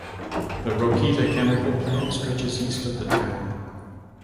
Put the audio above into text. The Rokita Chemical Plant stretches east of the town.